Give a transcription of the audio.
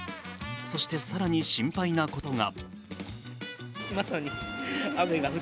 そして更に心配なことが。